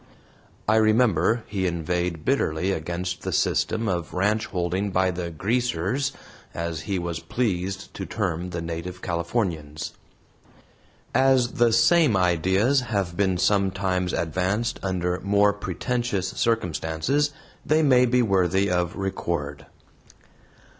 I remember he inveighed bitterly against the system of ranch holding by the "greasers," as he was pleased to term the native Californians. As the same ideas have been sometimes advanced under more pretentious circumstances they may be worthy of record.